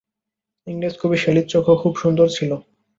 ইংরেজ কবি শেলির চোখও খুব সুন্দর ছিল।